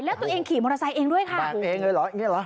แล้วตัวเองขี่มอเตอร์ไซค์เองด้วยค่ะแตกเองเลยเหรออย่างนี้เหรอ